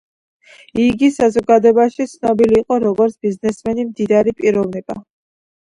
იგი საზოგადოებაში ცნობილი იყო როგორც ბიზნესმენი, მდიდარი პიროვნება.